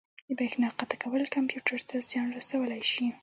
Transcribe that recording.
د بریښنا قطع کول کمپیوټر ته زیان رسولی شي.